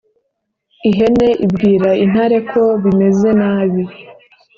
ihene ibwira intare ko bimeze nabi